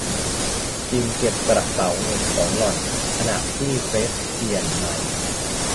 จิมเก็บกระเป๋าเงินของหล่อน ขณะที่เฟร็ดเปลี่ยนใหม่